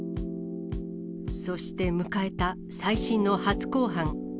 そして迎えた再審の初公判。